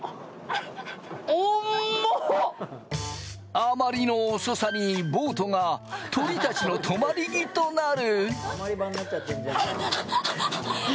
あまりの遅さにボートが鳥たちの止まり木となる。